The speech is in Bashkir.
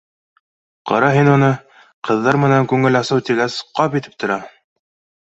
Ҡара һин уны, ҡыҙҙар менән күңел асыу тигәс, ҡап итеп тора